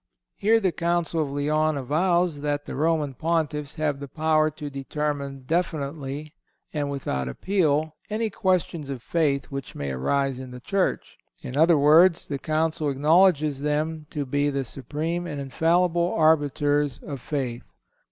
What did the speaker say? Here the Council of Lyons avows that the Roman Pontiffs have the power to determine definitely, and without appeal, any questions of faith which may arise in the Church; in other words, the Council acknowledges them to be the supreme and infallible arbiters of faith.